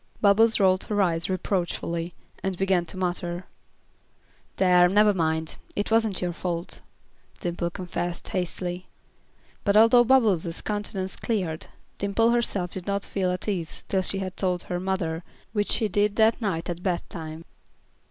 Bubbles rolled her eyes reproachfully, and began to mutter. "There, never mind. It wasn't your fault," Dimple confessed, hastily. But although Bubbles' countenance cleared, Dimple herself did not feel at ease till she had told her mother, which she did that night at bedtime.